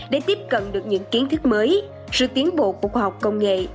để tiếp cận được những kiến thức mới sự tiến bộ của khoa học công nghệ